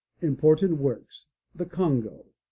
Important Works: The Congo.